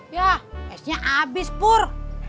yah esnya abis pur